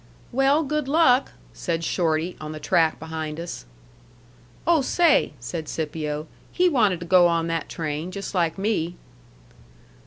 "Well, good luck!" said Shorty, on the track behind us. "Oh, say!" said Scipio, "he wanted to go on that train, just like me."